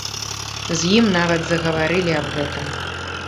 З ім нават загаварвалі аб гэтым.